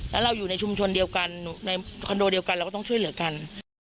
แล้วเราอยู่ในชุมชนเดียวกันในคอนโดเดียวกันเราก็ต้องช่วยเหลือกัน